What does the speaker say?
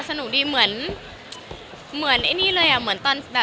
สนุกดีเหมือน